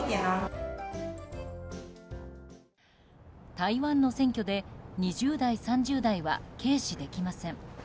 台湾の選挙で２０代、３０代は軽視できません。